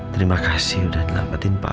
terima kasih udah nampatin papa